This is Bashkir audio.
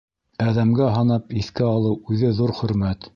Әҙәмгә һанап, иҫкә алыу үҙе ҙур хөрмәт.